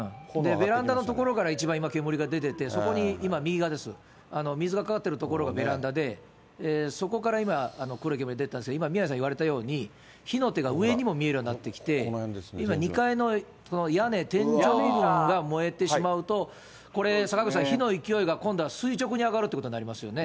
ベランダの所から今、一番煙が出てて、そこに今右側ですよ、水がかかっている所がベランダで、そこから今、黒い煙が出てたんですけど、今、宮根さん言われたように、火の手が上にも見えるようになってきて、今、２階の屋根、天井部分が燃えてしまうと、これ、坂口さん、火の勢いが今度は垂直に上がるということになりますよね。